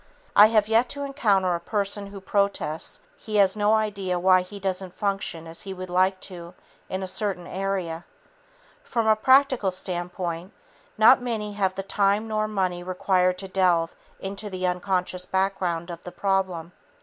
I have yet to encounter the person who protests he has no idea why he doesn't function as he would like to in a certain area. From a practical standpoint, not many have the time nor money required to delve into the unconscious background of the problem.